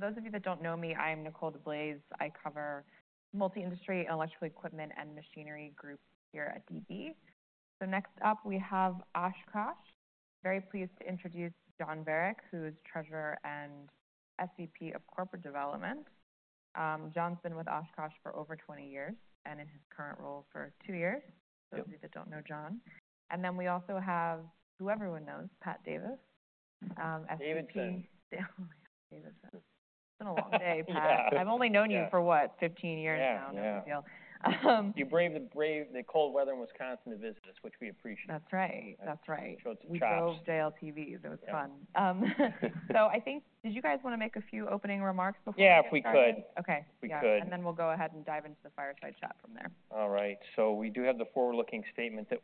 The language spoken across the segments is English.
So for those of you that don't know me, I'm Nicole DeBlase. I cover multi-industry, electrical equipment, and machinery groups here at DB. So next up, we have Oshkosh. Very pleased to introduce John Verich, who is Treasurer and SVP of Corporate Development. John's been with Oshkosh for over 20 years and in his current role for two years. Yep. For those of you that don't know John. And then we also have, who everyone knows, Pat Davidson, SVP- Davidson. Oh, my God, Davidson. It's been a long day, Pat. Yeah. I've only known you for what? 15 years now- Yeah, yeah. - ungefähr. You braved the cold weather in Wisconsin to visit us, which we appreciate. That's right, that's right. Drove to tracks. We drove JLTV. That was fun. Yeah. So, I think. Did you guys want to make a few opening remarks before we get started? Yeah, if we could. Okay. We could. Yeah, and then we'll go ahead and dive into the fireside chat from there. All right, so we do have the forward-looking statement that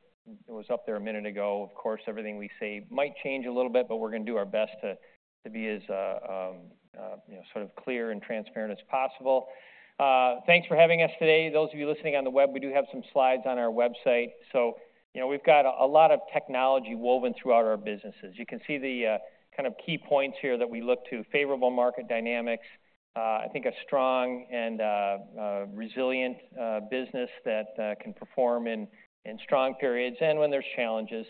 was up there a minute ago. Of course, everything we say might change a little bit, but we're going to do our best to be as, you know, sort of clear and transparent as possible. Thanks for having us today. Those of you listening on the web, we do have some slides on our website. So, you know, we've got a lot of technology woven throughout our businesses. You can see the kind of key points here that we look to. Favorable market dynamics, I think a strong and resilient business that can perform in strong periods and when there's challenges.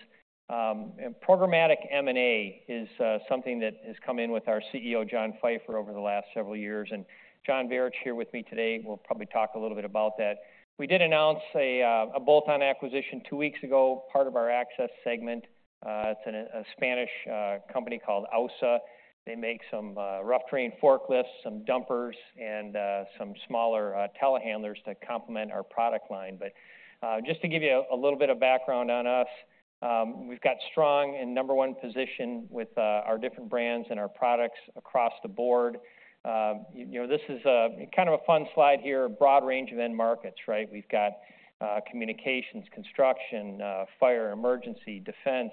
And programmatic M&A is something that has come in with our CEO, John Pfeifer, over the last several years, and John Verich here with me today, will probably talk a little bit about that. We did announce a bolt-on acquisition two weeks ago, part of our access segment. It's a Spanish company called AUSA. They make some rough terrain forklifts, some dumpers, and some smaller telehandlers to complement our product line. But just to give you a little bit of background on us, we've got strong and number one position with our different brands and our products across the board. You know, this is kind of a fun slide here. A broad range of end markets, right? We've got communications, construction, fire, emergency, defense,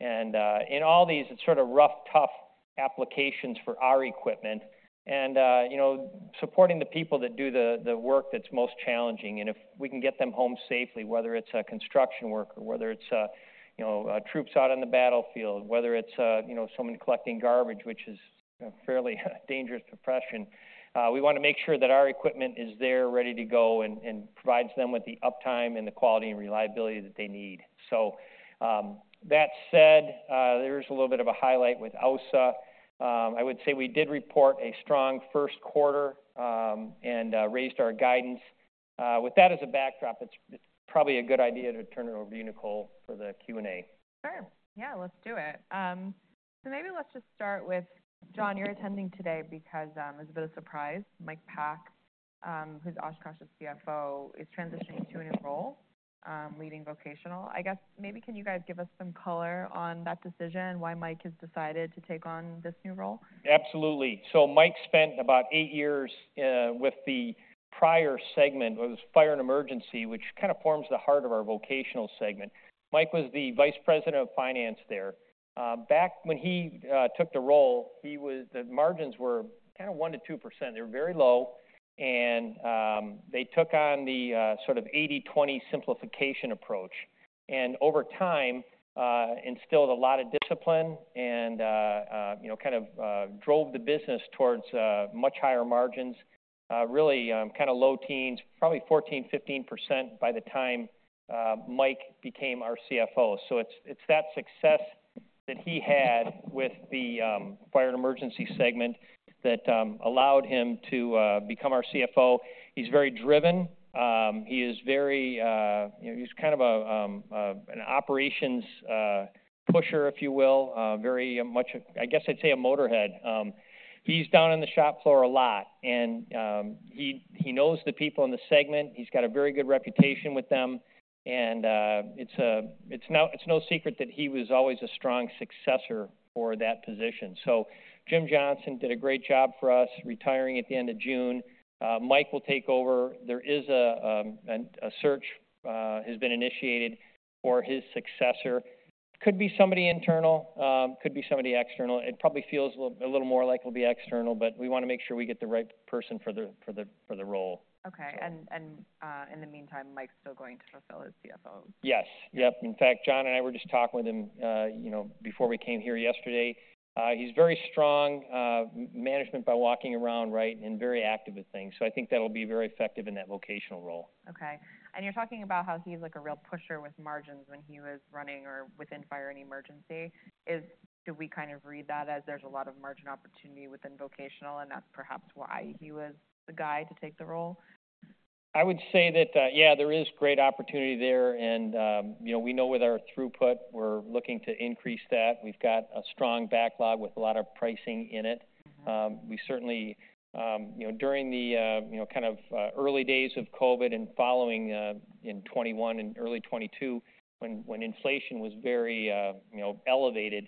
and in all these, it's sort of rough, tough applications for our equipment and you know, supporting the people that do the work that's most challenging. And if we can get them home safely, whether it's a construction worker, whether it's you know, troops out on the battlefield, whether it's you know, someone collecting garbage, which is a fairly dangerous profession, we want to make sure that our equipment is there, ready to go, and provides them with the uptime and the quality and reliability that they need. So, that said, there's a little bit of a highlight with AUSA. I would say we did report a strong first quarter, and raised our guidance. With that as a backdrop, it's probably a good idea to turn it over to you, Nicole, for the Q&A. Sure. Yeah, let's do it. So maybe let's just start with John. You're attending today because there's a bit of surprise. Mike Pack, who's Oshkosh's CFO, is transitioning to a new role, leading Vocational. I guess maybe can you guys give us some color on that decision and why Mike has decided to take on this new role? Absolutely. So Mike spent about 8 years with the prior segment, was Fire and Emergency, which kind of forms the heart of our Vocational segment. Mike was the vice president of finance there. Back when he took the role, the margins were kind of 1%-2%. They were very low, and they took on the sort of 80/20 simplification approach, and over time instilled a lot of discipline and you know, kind of drove the business towards much higher margins. Really kind of low teens, probably 14%-15% by the time Mike became our CFO. So it's that success that he had with the Fire and Emergency segment that allowed him to become our CFO. He's very driven. He is very... You know, he's kind of an operations pusher, if you will. Very much, I guess I'd say a motor head. He's down on the shop floor a lot, and he knows the people in the segment. He's got a very good reputation with them, and it's no secret that he was always a strong successor for that position. So Jim Johnson did a great job for us, retiring at the end of June. Mike will take over. There is a search has been initiated for his successor. Could be somebody internal, could be somebody external. It probably feels a little more like it'll be external, but we want to make sure we get the right person for the role. Okay. In the meantime, Mike's still going to fulfill his CFO? Yes. Yep. In fact, John and I were just talking with him, you know, before we came here yesterday. He's very strong, management by walking around right, and very active with things, so I think that'll be very effective in that vocational role. Okay. And you're talking about how he's, like, a real pusher with margins when he was running or within Fire and Emergency. Do we kind of read that as there's a lot of margin opportunity within Vocational, and that's perhaps why he was the guy to take the role? I would say that, yeah, there is great opportunity there, and, you know, we know with our throughput, we're looking to increase that. We've got a strong backlog with a lot of pricing in it. Mm-hmm. We certainly, you know, during the, you know, kind of, early days of COVID and following, in 2021 and early 2022, when inflation was very, you know, elevated,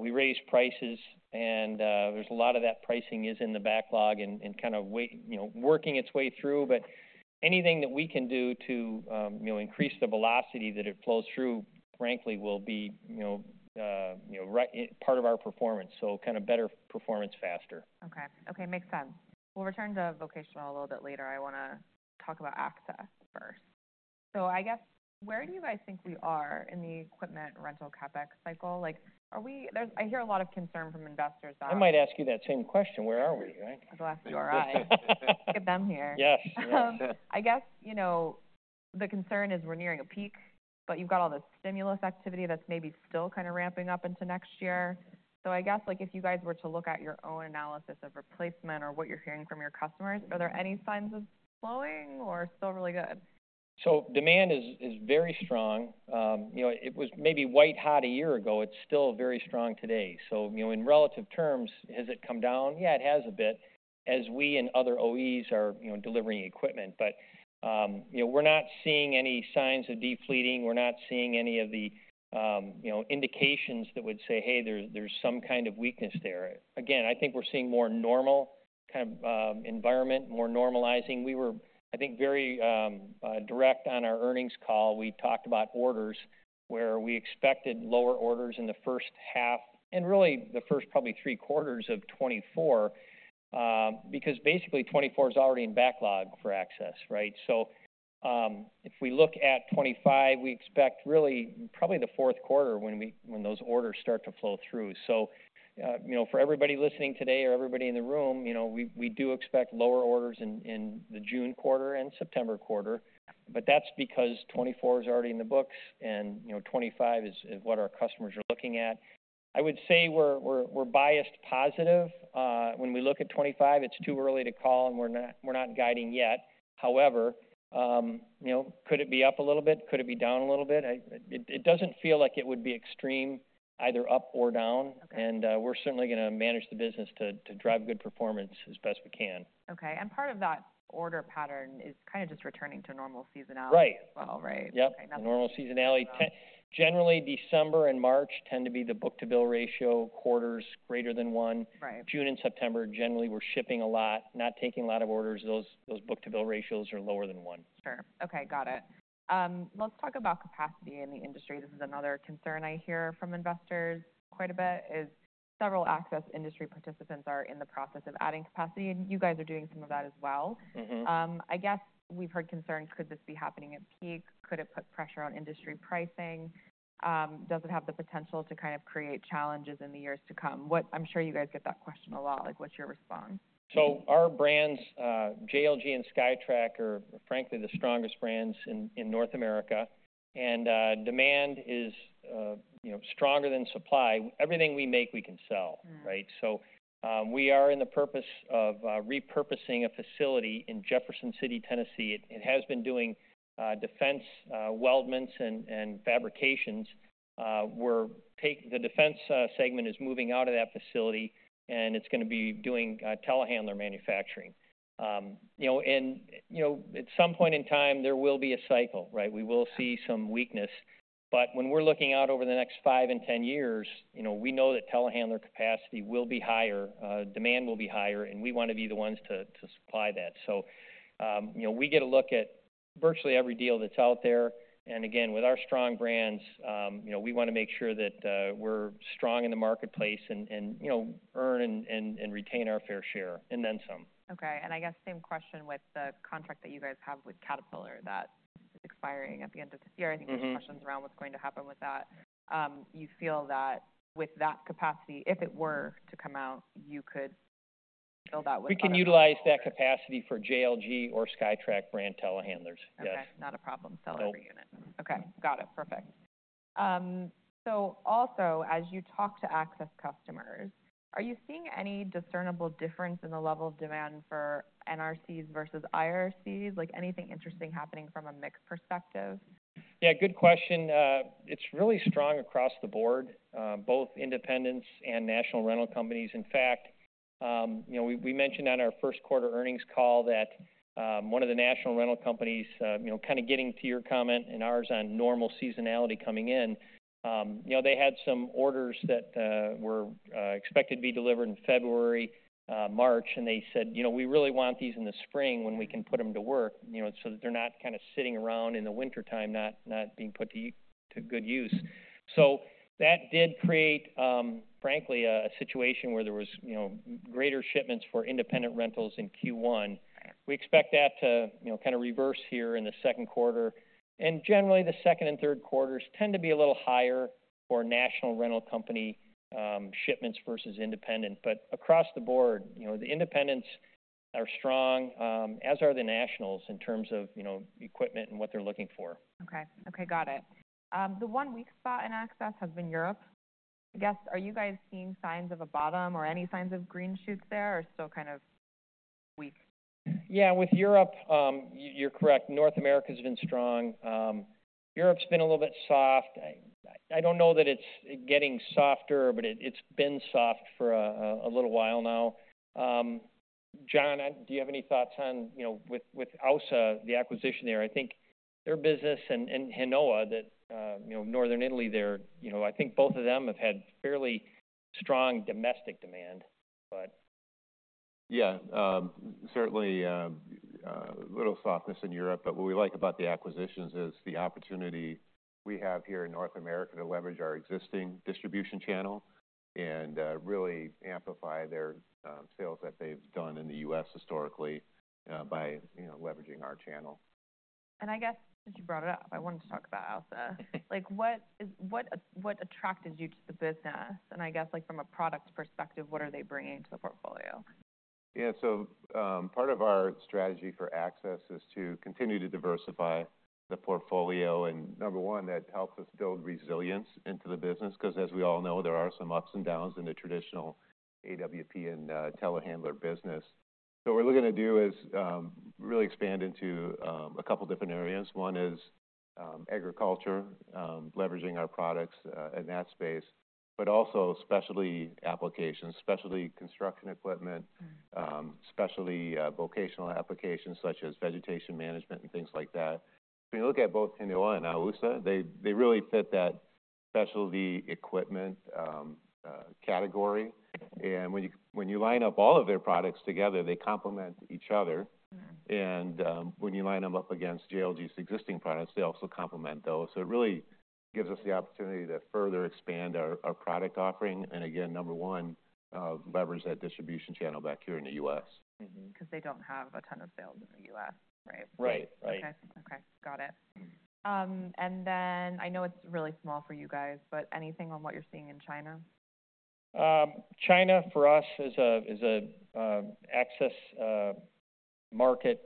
we raised prices, and, there's a lot of that pricing is in the backlog and, and kind of you know, working its way through. But anything that we can do to, you know, increase the velocity that it flows through, frankly, will be, you know, you know, right, part of our performance. So kind of better performance faster. Okay. Okay, makes sense. We'll return to Vocational a little bit later. I want to talk about Access first... So I guess, where do you guys think we are in the equipment rental CapEx cycle? Like, I hear a lot of concern from investors that- I might ask you that same question. Where are we, right? At last, you are right. Look at them here. Yes. I guess, you know, the concern is we're nearing a peak, but you've got all this stimulus activity that's maybe still kind of ramping up into next year. So I guess, like, if you guys were to look at your own analysis of replacement or what you're hearing from your customers, are there any signs of slowing or still really good? So demand is very strong. You know, it was maybe white-hot a year ago. It's still very strong today. So, you know, in relative terms, has it come down? Yeah, it has a bit, as we and other OEs are, you know, delivering equipment. But, you know, we're not seeing any signs of defleeting. We're not seeing any of the, you know, indications that would say, "Hey, there's some kind of weakness there." Again, I think we're seeing more normal kind of environment, more normalizing. We were, I think, very direct on our earnings call. We talked about orders, where we expected lower orders in the first half and really the first probably three quarters of 2024, because basically 2024 is already in backlog for access, right? So, if we look at 2025, we expect really probably the fourth quarter when those orders start to flow through. So, you know, for everybody listening today or everybody in the room, you know, we do expect lower orders in the June quarter and September quarter, but that's because 2024 is already in the books and, you know, 2025 is what our customers are looking at. I would say we're biased positive. When we look at 2025, it's too early to call, and we're not guiding yet. However, you know, could it be up a little bit? Could it be down a little bit? It doesn't feel like it would be extreme, either up or down. Okay. We're certainly going to manage the business to drive good performance as best we can. Okay. And part of that order pattern is kind of just returning to normal seasonality- Right. As well, right? Yep. Okay. The normal seasonality. Generally, December and March tend to be the book-to-bill ratio quarters greater than one. Right. June and September, generally, we're shipping a lot, not taking a lot of orders. Those, those book-to-bill ratios are lower than one. Sure. Okay, got it. Let's talk about capacity in the industry. This is another concern I hear from investors quite a bit, is several access industry participants are in the process of adding capacity, and you guys are doing some of that as well. Mm-hmm. I guess we've heard concerns. Could this be happening at peak? Could it put pressure on industry pricing? Does it have the potential to kind of create challenges in the years to come? What? I'm sure you guys get that question a lot. Like, what's your response? Our brands, JLG and SkyTrak, are, frankly, the strongest brands in North America, and demand is, you know, stronger than supply. Everything we make, we can sell. Mm. Right? So, we are in the purpose of repurposing a facility in Jefferson City, Tennessee. It has been doing defense weldments and fabrications. The defense segment is moving out of that facility, and it's gonna be doing telehandler manufacturing. You know, and, you know, at some point in time, there will be a cycle, right? We will see some weakness. But when we're looking out over the next five and 10 years, you know, we know that telehandler capacity will be higher, demand will be higher, and we want to be the ones to supply that. So, you know, we get a look at virtually every deal that's out there. And again, with our strong brands, you know, we want to make sure that we're strong in the marketplace and, you know, earn and retain our fair share, and then some. Okay. I guess same question with the contract that you guys have with Caterpillar that is expiring at the end of this year. Mm-hmm. I think there's questions around what's going to happen with that. You feel that with that capacity, if it were to come out, you could fill that with- We can utilize that capacity for JLG or SkyTrak brand telehandlers, yes. Okay. Not a problem- No -selling every unit. Okay, got it. Perfect. So also, as you talk to access customers, are you seeing any discernible difference in the level of demand for NRCs versus IRCs? Like, anything interesting happening from a mix perspective? Yeah, good question. It's really strong across the board, both independents and national rental companies. In fact, you know, we mentioned on our first quarter earnings call that one of the national rental companies, you know, kind of getting to your comment and ours on normal seasonality coming in, you know, they had some orders that were expected to be delivered in February, March, and they said: "You know, we really want these in the spring when we can put them to work, you know, so that they're not kind of sitting around in the wintertime, not being put to good use." So that did create, frankly, a situation where there was, you know, greater shipments for independent rentals in Q1. We expect that to, you know, kind of reverse here in the second quarter. Generally, the second and third quarters tend to be a little higher for national rental company shipments versus independent. But across the board, you know, the independents are strong, as are the nationals in terms of, you know, equipment and what they're looking for. Okay. Okay, got it. The one weak spot in access has been Europe. I guess, are you guys seeing signs of a bottom or any signs of green shoots there, or still kind of weak? Yeah, with Europe, you're correct. North America's been strong. Europe's been a little bit soft. I don't know that it's getting softer, but it's been soft for a little while now. John, do you have any thoughts on, you know, with AUSA, the acquisition there? I think their business and Hinowa, that, you know, Northern Italy there, you know, I think both of them have had fairly strong domestic demand, but... Yeah, certainly, a little softness in Europe, but what we like about the acquisitions is the opportunity we have here in North America to leverage our existing distribution channel... and really amplify their sales that they've done in the U.S. historically, by, you know, leveraging our channel. I guess since you brought it up, I wanted to talk about AUSA. Like, what—what attracted you to the business? And I guess, like from a product perspective, what are they bringing to the portfolio? Yeah. So, part of our strategy for Access is to continue to diversify the portfolio, and number one, that helps us build resilience into the business, because as we all know, there are some ups and downs in the traditional AWP and telehandler business. So what we're looking to do is really expand into a couple different areas. One is agriculture, leveraging our products in that space, but also specialty applications, specialty construction equipment- Mm-hmm. Specialty vocational applications, such as vegetation management and things like that. If you look at both Hinowa and AUSA, they, they really fit that specialty equipment category. And when you, when you line up all of their products together, they complement each other. Mm-hmm. When you line them up against JLG's existing products, they also complement those. It really gives us the opportunity to further expand our product offering, and again, number one, leverage that distribution channel back here in the U.S. Mm-hmm. Because they don't have a ton of sales in the U.S., right? Right. Right. Okay. Okay. Got it. And then I know it's really small for you guys, but anything on what you're seeing in China? China, for us, is an access market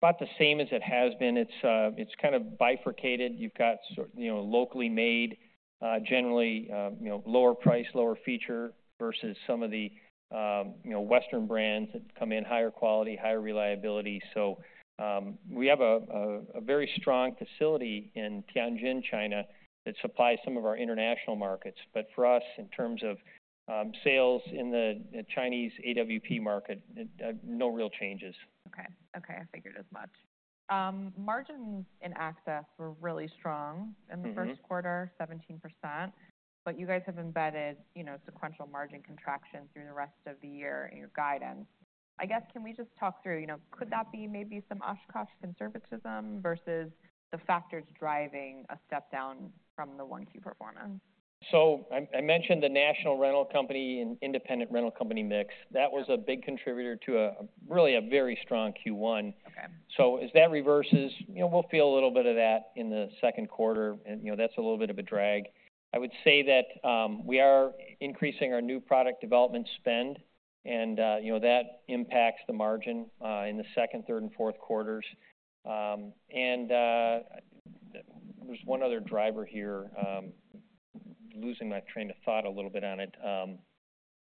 about the same as it has been. It's kind of bifurcated. You've got, you know, locally made, generally, you know, lower price, lower feature versus some of the, you know, Western brands that come in higher quality, higher reliability. So, we have a very strong facility in Tianjin, China, that supplies some of our international markets. But for us, in terms of sales in the Chinese AWP market, no real changes. Okay. Okay, I figured as much. Margins in Access were really strong- Mm-hmm. In the first quarter, 17%, but you guys have embedded, you know, sequential margin contraction through the rest of the year in your guidance. I guess, can we just talk through, you know, could that be maybe some Oshkosh conservatism versus the factors driving a step down from the 1Q performance? So I mentioned the national rental company and independent rental company mix. Yeah. That was a big contributor to a really very strong Q1. Okay. So as that reverses, you know, we'll feel a little bit of that in the second quarter, and, you know, that's a little bit of a drag. I would say that we are increasing our new product development spend, and, you know, that impacts the margin in the second, third, and fourth quarters. There's one other driver here, losing my train of thought a little bit on it.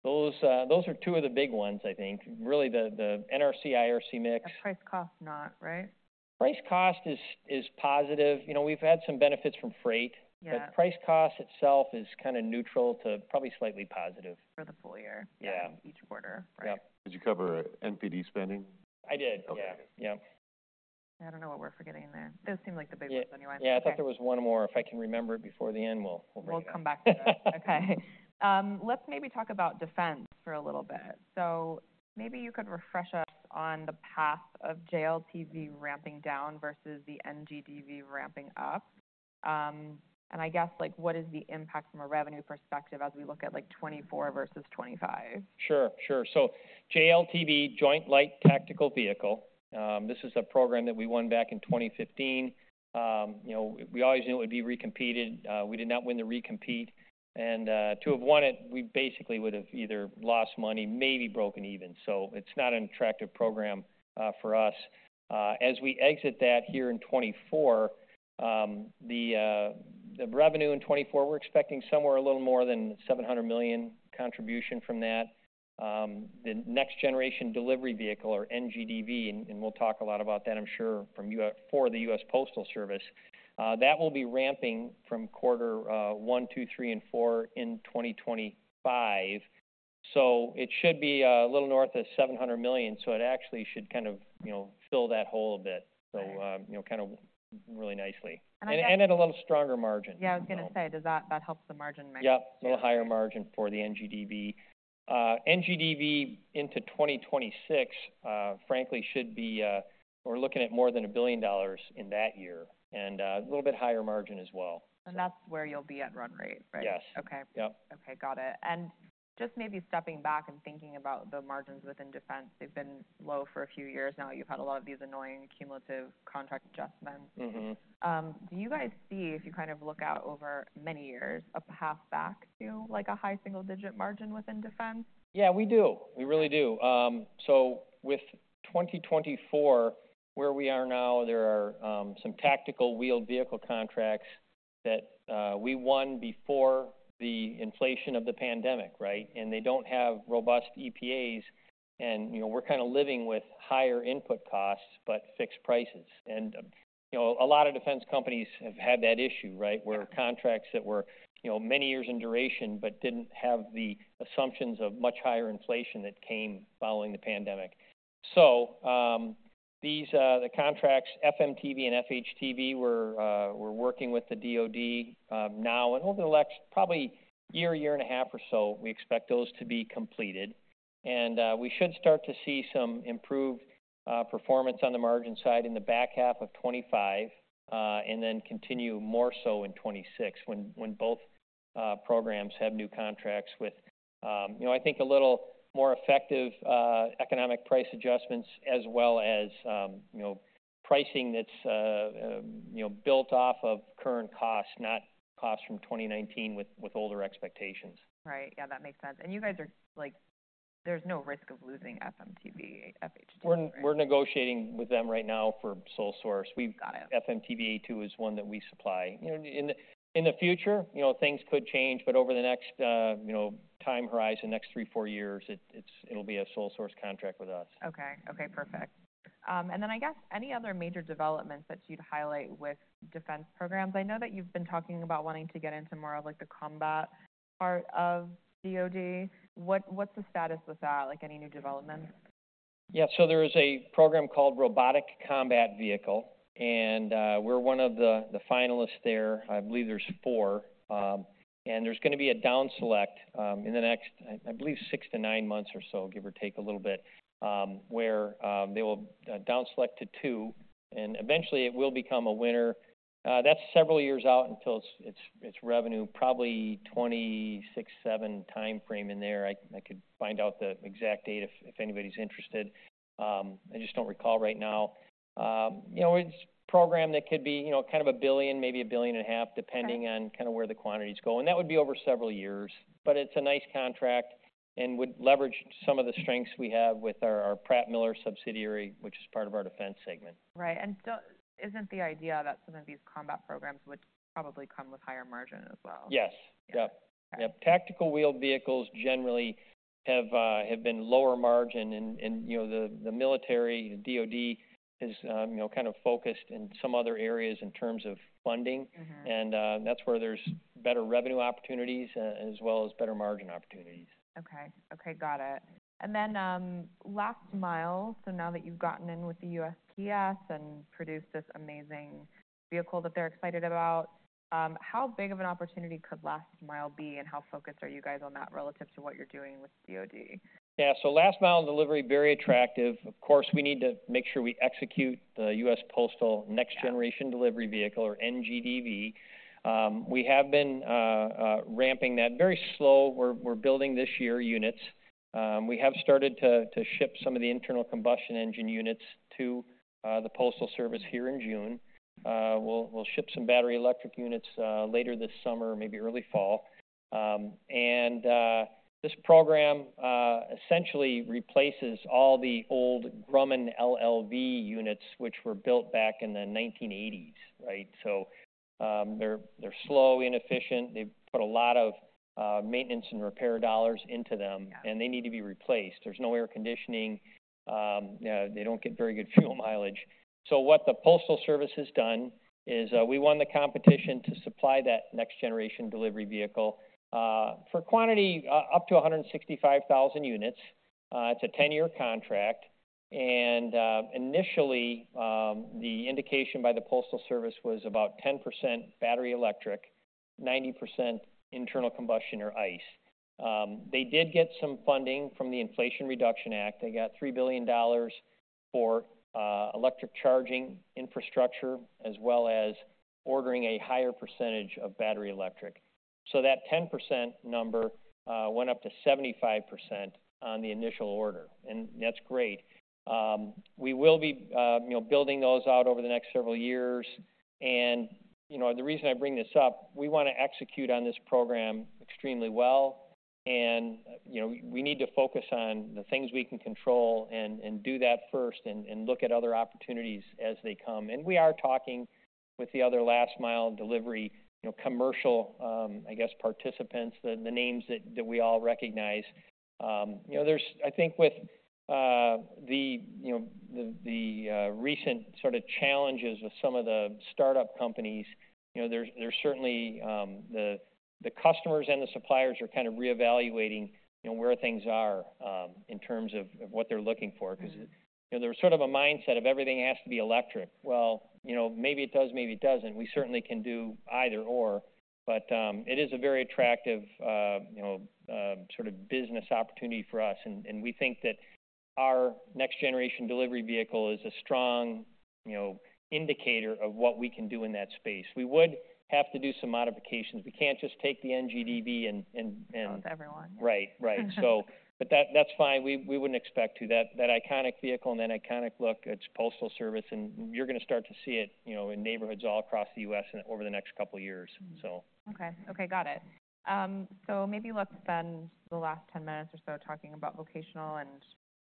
Those are two of the big ones, I think. Really, the NRC, IRC mix. The price cost not, right? Price cost is positive. You know, we've had some benefits from freight. Yeah. But price cost itself is kinda neutral to probably slightly positive. For the full year? Yeah. Each quarter. Yeah. Did you cover NPD spending? I did. Okay. Yeah. Yeah. I don't know what we're forgetting there. Those seem like the big ones anyway. Yeah. I thought there was one more. If I can remember it before the end, we'll- We'll come back to that. Okay. Let's maybe talk about defense for a little bit. So maybe you could refresh us on the path of JLTV ramping down versus the NGDV ramping up. And I guess, like, what is the impact from a revenue perspective as we look at, like, 2024 versus 2025? Sure, sure. So JLTV, Joint Light Tactical Vehicle, this is a program that we won back in 2015. You know, we always knew it would be recompeted. We did not win the recompete, and to have won it, we basically would have either lost money, maybe broken even. So it's not an attractive program for us. As we exit that here in 2024, the revenue in 2024, we're expecting somewhere a little more than $700 million contribution from that. The Next Generation Delivery Vehicle, or NGDV, and we'll talk a lot about that, I'm sure, for the U.S. Postal Service. That will be ramping from quarter one, two, three, and four in 2025. So it should be a little north of $700 million. It actually should kind of, you know, fill that hole a bit. Got it. You know, kind of really nicely. And I- At a little stronger margin. Yeah, I was gonna say. Does that... That helps the margin mix. Yeah, a little higher margin for the NGDV. NGDV into 2026, frankly, should be, we're looking at more than $1 billion in that year, and, a little bit higher margin as well. That's where you'll be at run rate, right? Yes. Okay. Yep. Okay, got it. Just maybe stepping back and thinking about the margins within defense, they've been low for a few years now. You've had a lot of these annoying cumulative contract adjustments. Mm-hmm. Do you guys see, if you kind of look out over many years, a path back to, like, a high single-digit margin within defense? Yeah, we do. We really do. So with 2024, where we are now, there are some tactical wheeled vehicle contracts that we won before the inflation of the pandemic, right? They don't have robust EPAs, and, you know, we're kind of living with higher input costs, but fixed prices. You know, a lot of defense companies have had that issue, right? Yeah. Where contracts that were, you know, many years in duration, but didn't have the assumptions of much higher inflation that came following the pandemic. So, these, the contracts, FMTV and FHTV, we're working with the DoD now, and over the next probably year, year and a half or so, we expect those to be completed. And we should start to see some improved performance on the margin side in the back half of 2025, and then continue more so in 2026 when both programs have new contracts with, you know, I think a little more effective economic price adjustments as well as, you know, pricing that's you know, built off of current costs, not costs from 2019 with older expectations. Right. Yeah, that makes sense. And you guys are like, there's no risk of losing FMTV, FHTV, right? We're negotiating with them right now for sole source. We've- Got it. FMTV 2 is one that we supply. You know, in the future, you know, things could change, but over the next, you know, time horizon, next 3-4 years, it'll be a sole source contract with us. Okay. Okay, perfect. And then I guess any other major developments that you'd highlight with defense programs? I know that you've been talking about wanting to get into more of, like, the combat part of DoD. What, what's the status with that? Like, any new developments? Yeah, so there is a program called Robotic Combat Vehicle, and we're one of the finalists there. I believe there's four. And there's going to be a down select in the next, I believe, six to nine months or so, give or take a little bit, where they will down select to two, and eventually it will become a winner. That's several years out until it's revenue, probably 2026-2027 timeframe in there. I could find out the exact date if anybody's interested. I just don't recall right now. You know, it's a program that could be, you know, kind of $1 billion, maybe $1.5 billion, depending- Right... on kind of where the quantities go, and that would be over several years. But it's a nice contract and would leverage some of the strengths we have with our Pratt Miller subsidiary, which is part of our defense segment. Right. And so isn't the idea that some of these combat programs would probably come with higher margin as well? Yes. Yeah. Okay. Yep. Tactical wheeled vehicles generally have been lower margin and, you know, the military, the DoD is, you know, kind of focused in some other areas in terms of funding. Mm-hmm. That's where there's better revenue opportunities, as well as better margin opportunities. Okay. Okay, got it. And then, last mile. So now that you've gotten in with the USPS and produced this amazing vehicle that they're excited about, how big of an opportunity could last mile be, and how focused are you guys on that relative to what you're doing with DoD? Yeah, so last mile delivery, very attractive. Of course, we need to make sure we execute the U.S. Postal Next Generation- Yeah... Delivery Vehicle, or NGDV. We have been ramping that very slow. We're building this year units. We have started to ship some of the internal combustion engine units to the Postal Service here in June. We'll ship some battery electric units later this summer, maybe early fall. And this program essentially replaces all the old Grumman LLV units, which were built back in the 1980s, right? So, they're slow, inefficient, they've put a lot of maintenance and repair dollars into them- Yeah... and they need to be replaced. There's no air conditioning. They don't get very good fuel mileage. So what the Postal Service has done is, we won the competition to supply that Next Generation Delivery Vehicle, for quantity, up to 165,000 units. It's a 10-year contract, and, initially, the indication by the Postal Service was about 10% battery electric, 90% internal combustion or ICE. They did get some funding from the Inflation Reduction Act. They got $3 billion for, electric charging infrastructure, as well as ordering a higher percentage of battery electric. So that 10% number, went up to 75% on the initial order, and that's great. We will be, you know, building those out over the next several years. You know, the reason I bring this up, we want to execute on this program extremely well, and, you know, we need to focus on the things we can control and do that first and look at other opportunities as they come. And we are talking with the other last mile delivery, you know, commercial, I guess, participants, the names that we all recognize. You know, there's, I think with the, you know, the recent sort of challenges with some of the startup companies, you know, there's certainly the customers and the suppliers are kind of reevaluating, you know, where things are in terms of what they're looking for. Mm-hmm. Because, you know, there's sort of a mindset of everything has to be electric. Well, you know, maybe it does, maybe it doesn't. We certainly can do either or, but it is a very attractive, you know, sort of business opportunity for us, and we think that our Next Generation Delivery Vehicle is a strong, you know, indicator of what we can do in that space. We would have to do some modifications. We can't just take the NGDV and- With everyone. Right. Right. So, but that's fine. We wouldn't expect to. That iconic vehicle and that iconic look, it's postal service, and you're going to start to see it, you know, in neighborhoods all across the U.S. and over the next couple of years, so. Okay. Okay, got it. So maybe let's spend the last 10 minutes or so talking about vocational and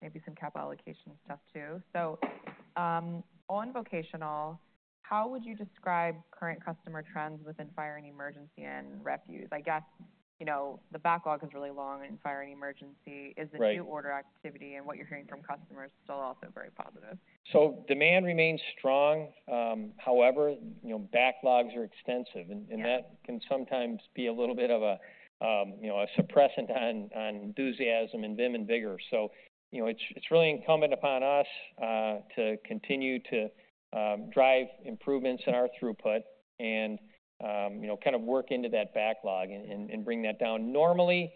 maybe some capital allocation stuff too. So, on vocational, how would you describe current customer trends within fire and emergency and refuse? I guess, you know, the backlog is really long in fire and emergency. Right. Is the new order activity and what you're hearing from customers still also very positive? Demand remains strong, however, you know, backlogs are extensive, and- Yeah And that can sometimes be a little bit of a, you know, a suppressant on, on enthusiasm and vim and vigor. So, you know, it's really incumbent upon us to continue to drive improvements in our throughput and, you know, kind of work into that backlog and bring that down. Normally,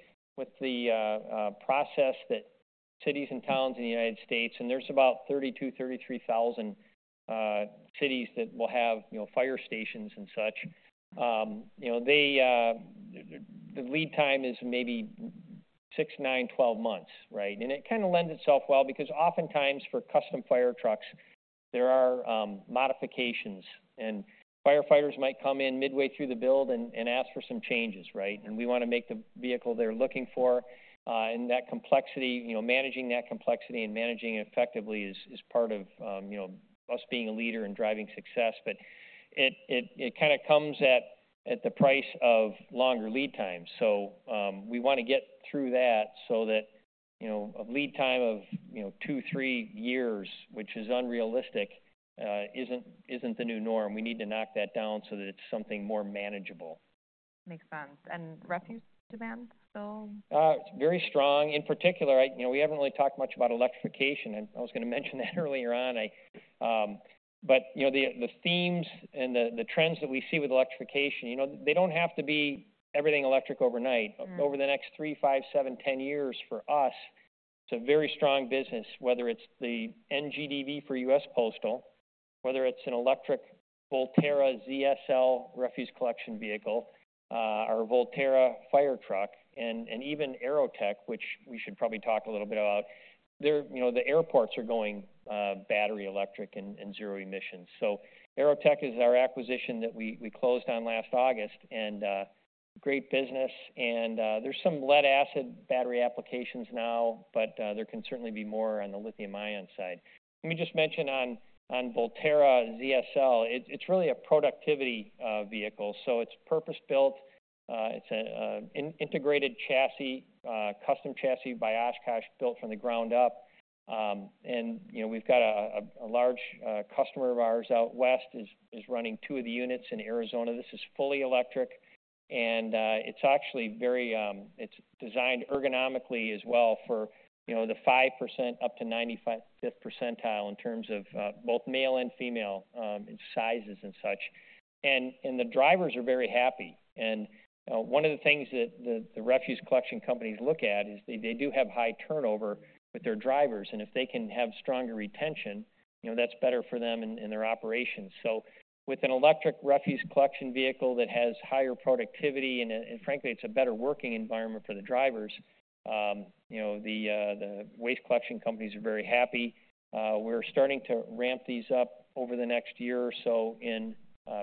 cities and towns in the United States, and there's about 32,000-33,000 cities that will have, you know, fire stations and such. You know, they, the lead time is maybe 6, 9, 12 months, right? And it kind of lends itself well, because oftentimes for custom fire trucks, there are modifications, and firefighters might come in midway through the build and ask for some changes, right? We want to make the vehicle they're looking for, and that complexity, you know, managing that complexity and managing it effectively is part of, you know, us being a leader in driving success. But it kind of comes at the price of longer lead times. So, we want to get through that so that, you know, a lead time of 2-3 years, which is unrealistic, isn't the new norm. We need to knock that down so that it's something more manageable. Makes sense. Refuse demand, still? It's very strong. In particular, you know, we haven't really talked much about electrification, and I was going to mention that earlier on. But, you know, the themes and the trends that we see with electrification, you know, they don't have to be everything electric overnight. Mm. Over the next 3, 5, 7, 10 years for us, it's a very strong business, whether it's the NGDV for US Postal, whether it's an electric Volterra ZSL refuse collection vehicle, our Volterra fire truck, and even AeroTech, which we should probably talk a little bit about. They're-- you know, the airports are going battery, electric, and zero emission. So AeroTech is our acquisition that we closed on last August, and great business and there's some lead-acid battery applications now, but there can certainly be more on the lithium-ion side. Let me just mention on Volterra ZSL, it's really a productivity vehicle, so it's purpose-built. It's a integrated chassis, custom chassis by Oshkosh, built from the ground up. You know, we've got a large customer of ours out west is running two of the units in Arizona. This is fully electric, and it's actually very—it's designed ergonomically as well for, you know, the 5th to 95th percentile in terms of both male and female in sizes and such. The drivers are very happy. One of the things that the refuse collection companies look at is they do have high turnover with their drivers, and if they can have stronger retention, you know, that's better for them and their operations. So with an electric refuse collection vehicle that has higher productivity, and frankly, it's a better working environment for the drivers, you know, the waste collection companies are very happy. We're starting to ramp these up over the next year or so in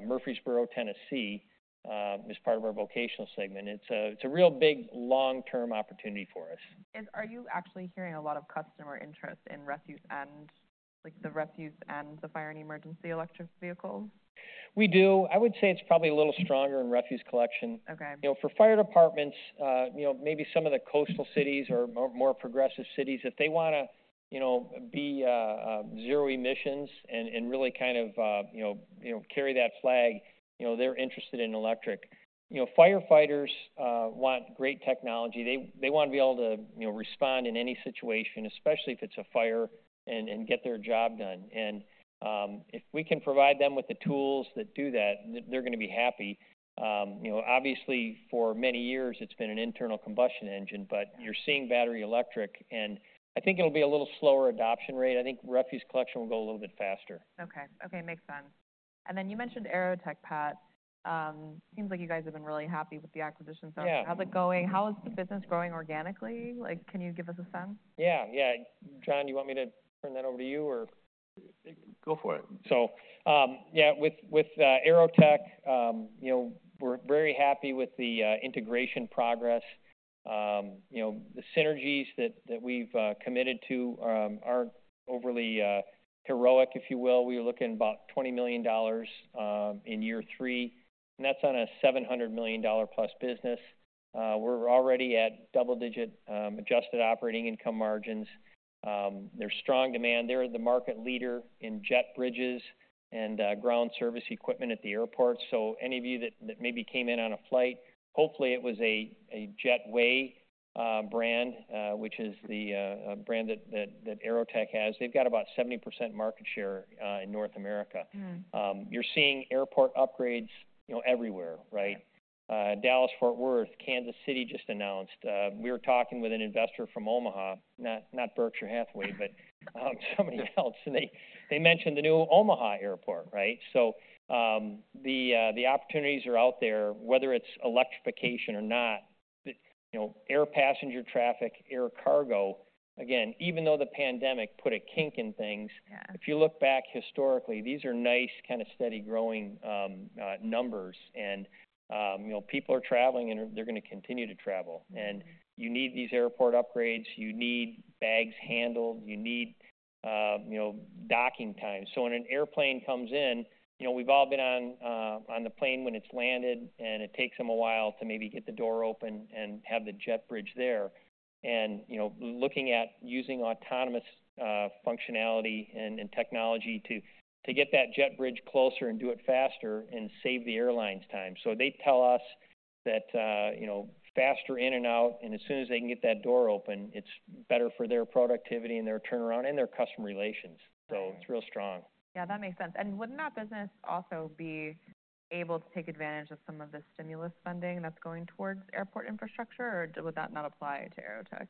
Murfreesboro, Tennessee, as part of our vocational segment. It's a, it's a real big, long-term opportunity for us. Are you actually hearing a lot of customer interest in refuse and like, the refuse and the fire and emergency electric vehicles? We do. I would say it's probably a little stronger in refuse collection. Okay. You know, for fire departments, you know, maybe some of the coastal cities or more progressive cities, if they want to, you know, be zero emissions and really kind of, you know, you know, carry that flag, you know, they're interested in electric. You know, firefighters want great technology. They want to be able to, you know, respond in any situation, especially if it's a fire, and get their job done. If we can provide them with the tools that do that, they're going to be happy. You know, obviously, for many years it's been an internal combustion engine, but you're seeing battery electric, and I think it'll be a little slower adoption rate. I think refuse collection will go a little bit faster. Okay. Okay, makes sense. And then you mentioned AeroTech, Pat. Seems like you guys have been really happy with the acquisition so far. Yeah. How's it going? How is the business growing organically? Like, can you give us a sense? Yeah, yeah. John, you want me to turn that over to you, or...? Go for it. Yeah, with AeroTech, you know, we're very happy with the integration progress. You know, the synergies that we've committed to aren't overly heroic, if you will. We're looking at about $20 million in year three, and that's on a $700 million-plus business. We're already at double-digit adjusted operating income margins. There's strong demand. They're the market leader in jet bridges and ground service equipment at the airport. So any of you that maybe came in on a flight, hopefully it was a Jetway brand, which is the brand that AeroTech has. They've got about 70% market share in North America. Mm. You're seeing airport upgrades, you know, everywhere, right? Yeah. Dallas-Fort Worth, Kansas City just announced. We were talking with an investor from Omaha, not, not Berkshire Hathaway, but somebody else, and they, they mentioned the new Omaha airport, right? So, the opportunities are out there, whether it's electrification or not, the, you know, air passenger traffic, air cargo. Again, even though the pandemic put a kink in things- Yeah... if you look back historically, these are nice, kind of steady growing numbers and, you know, people are traveling and they're going to continue to travel. Mm-hmm. You need these airport upgrades, you need bags handled, you need, you know, docking time. So when an airplane comes in, you know, we've all been on the plane when it's landed, and it takes them a while to maybe get the door open and have the jet bridge there. And, you know, looking at using autonomous functionality and technology to get that jet bridge closer and do it faster and save the airlines time. So they tell us that, you know, faster in and out, and as soon as they can get that door open, it's better for their productivity and their turnaround and their customer relations. Okay. So it's real strong. Yeah, that makes sense. And wouldn't that business also be able to take advantage of some of the stimulus funding that's going towards airport infrastructure, or would that not apply to AeroTech?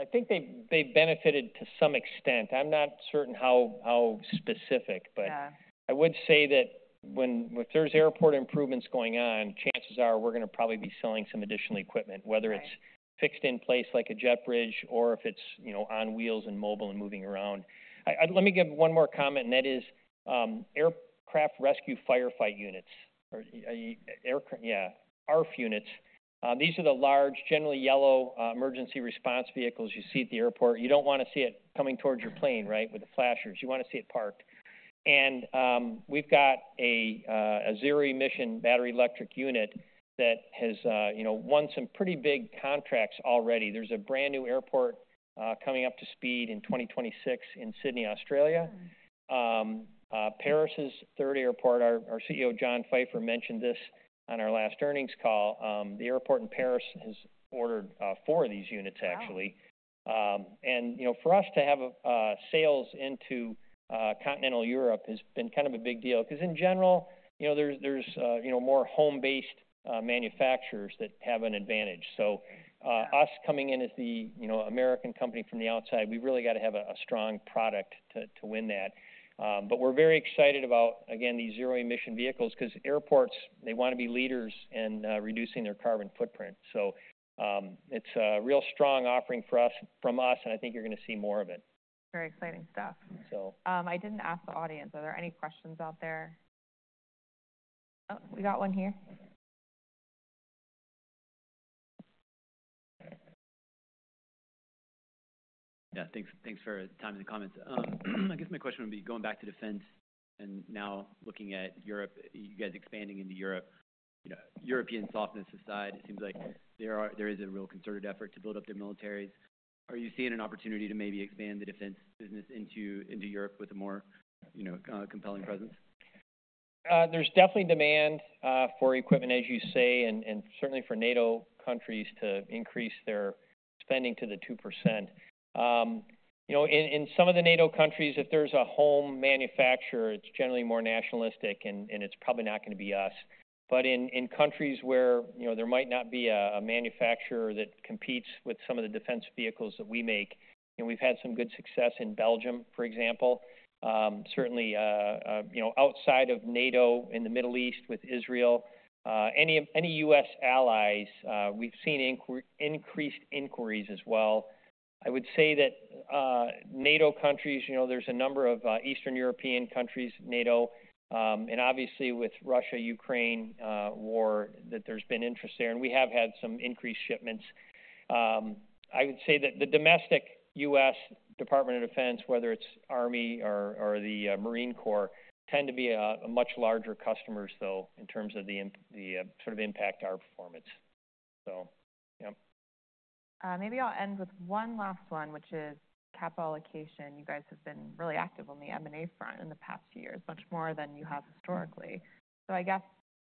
I think they benefited to some extent. I'm not certain how specific. Yeah. But I would say that when, if there's airport improvements going on, chances are we're gonna probably be selling some additional equipment- Right whether it's fixed in place like a jet bridge, or if it's, you know, on wheels and mobile and moving around. Let me give one more comment, and that is, aircraft rescue firefighting units, or aircraft, ARFF units. These are the large, generally yellow, emergency response vehicles you see at the airport. You don't wanna see it coming towards your plane, right, with the flashers. You wanna see it parked. And, we've got a zero-emission battery electric unit that has, you know, won some pretty big contracts already. There's a brand-new airport coming up to speed in 2026 in Sydney, Australia. Mm-hmm. Paris's third airport, our CEO, John Pfeifer, mentioned this on our last earnings call. The airport in Paris has ordered four of these units, actually. Wow! And, you know, for us to have sales into continental Europe has been kind of a big deal because in general, you know, there's you know, more home-based manufacturers that have an advantage. So Yeah Us coming in as the, you know, American company from the outside, we really got to have a strong product to win that. But we're very excited about, again, these zero-emission vehicles, 'cause airports, they wanna be leaders in reducing their carbon footprint. So, it's a real strong offering for us—from us, and I think you're gonna see more of it. Very exciting stuff. So. I didn't ask the audience. Are there any questions out there? Oh, we got one here. Yeah, thanks, thanks for your time and the comments. I guess my question would be going back to defense and now looking at Europe, you guys expanding into Europe. You know, European softness aside, it seems like there is a real concerted effort to build up their militaries. Are you seeing an opportunity to maybe expand the defense business into Europe with a more, you know, compelling presence? There's definitely demand for equipment, as you say, and certainly for NATO countries to increase their spending to the 2%. You know, in some of the NATO countries, if there's a home manufacturer, it's generally more nationalistic, and it's probably not gonna be us. But in countries where, you know, there might not be a manufacturer that competes with some of the defense vehicles that we make, and we've had some good success in Belgium, for example. Certainly, you know, outside of NATO, in the Middle East with Israel, any U.S. allies, we've seen increased inquiries as well. I would say that, NATO countries, you know, there's a number of, Eastern European countries, NATO, and obviously with Russia-Ukraine war, that there's been interest there, and we have had some increased shipments. I would say that the domestic U.S. Department of Defense, whether it's Army or the Marine Corps, tend to be a much larger customers, though, in terms of the sort of impact our performance. So, yep. Maybe I'll end with one last one, which is capital allocation. You guys have been really active on the M&A front in the past few years, much more than you have historically. So I guess,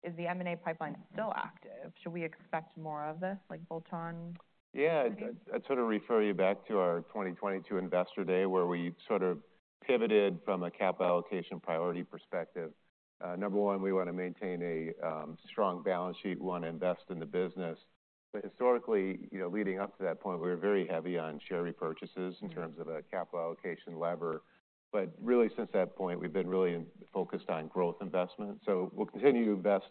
is the M&A pipeline still active? Should we expect more of this, like, bolt-on? Yeah, I'd sort of refer you back to our 2022 Investor Day, where we sort of pivoted from a capital allocation priority perspective. Number one, we want to maintain a strong balance sheet. We want to invest in the business. But historically, you know, leading up to that point, we were very heavy on share repurchases. Mm-hmm... in terms of a capital allocation lever. But really, since that point, we've been really focused on growth investment. So we'll continue to invest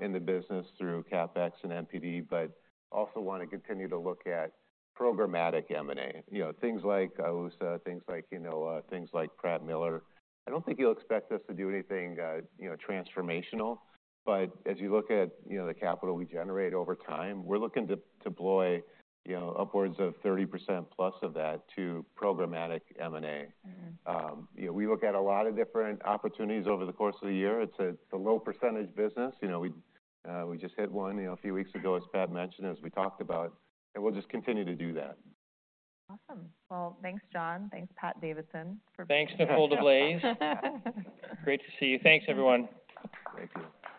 in the business through CapEx and NPD, but also want to continue to look at programmatic M&A. You know, things like AUSA, things like Hinowa, things like Pratt Miller. I don't think you'll expect us to do anything, you know, transformational, but as you look at, you know, the capital we generate over time, we're looking to deploy, you know, upwards of 30% plus of that to programmatic M&A. Mm-hmm. You know, we look at a lot of different opportunities over the course of the year. It's a low-percentage business. You know, we just hit one, you know, a few weeks ago, as Pat mentioned, as we talked about, and we'll just continue to do that. Awesome. Well, thanks, John. Thanks, Pat Davidson, for- Thanks, Nicole DeBlase. Great to see you. Thanks, everyone. Thank you.